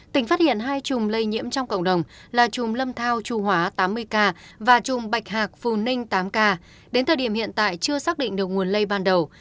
tỉnh phát hiện hai chùm lây nhiễm trong cộng đồng là chùm lâm thao trung hóa tám mươi k và chùm bạch hạc phù ninh tám k đến thời điểm hiện tại chưa xác định được nguồn lây ban đầu